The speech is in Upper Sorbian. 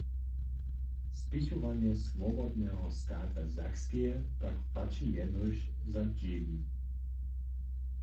Spěchowanje Swobodneho stata Sakskeje pak płaći jeno za Dźěwin.